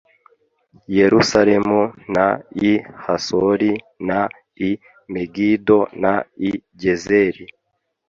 yerusalemu n i hasori n i megido n i gezeri